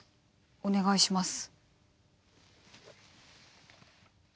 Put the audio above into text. お願いします。